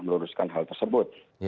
meluruskan hal tersebut